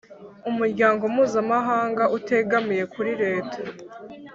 Umuryango mpuzamahanga utegamiye kuri Leta